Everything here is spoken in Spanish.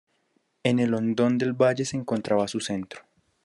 En el hondón del valle se encontraba su centro.